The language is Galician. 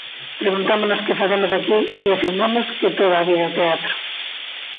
Preguntámonos que facemos aquí e afirmamos que toda a vida é teatro...